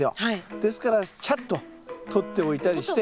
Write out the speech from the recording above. ですからチャッと取っておいたりして。